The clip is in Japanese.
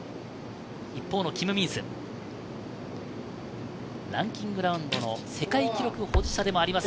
一方のキム・ミンス、ランキングラウンドの世界記録保持者でもあります。